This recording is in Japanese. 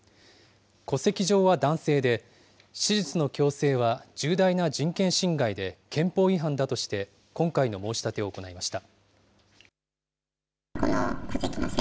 戸籍上は男性で、手術の強制は重大な人権侵害で憲法違反だとして、今回の申し立てを行いました。